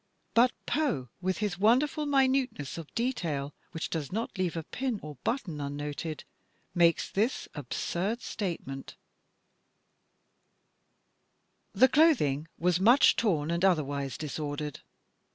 But Poe, with his wonderful " minuteness of detail which does not leave a pin or a button unnoted," makes this absurd statement: The clothing was much torn and otherwise disordered.